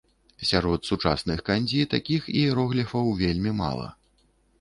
Сярод сучасных кандзі такіх іерогліфаў вельмі мала.